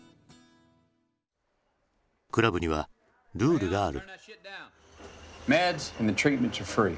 クラブにはルールがある。